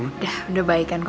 udah udah baik kan kak